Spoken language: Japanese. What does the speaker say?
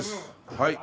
はい。